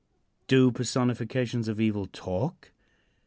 Do personifications of evil talk?